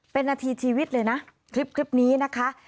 เป็นนาทีชีวิตเลยนะคลิปนี้นะคะ